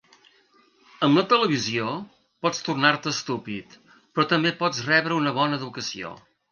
Amb la televisió pots tornar-te estúpid, però també pots rebre una bona educació.